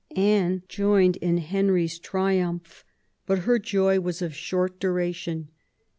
Anne joined in Henry's triumph, but her joy was of short duration.